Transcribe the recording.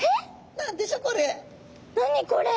何でしょこれ？